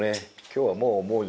今日はもう思う